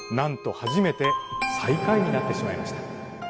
初めて最下位になってしまいました」。